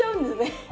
あ。